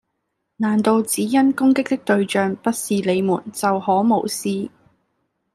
難道只因攻擊的對象不是你們就可無視